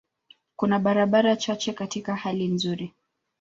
Kuna barabara chache katika hali nzuri.